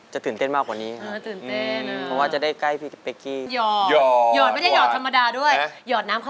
จะตื่นเต้นมากกว่านี้ค่ะ